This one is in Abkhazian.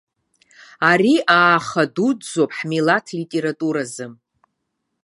Ари ааха дуӡӡоуп ҳмилаҭ литературазы.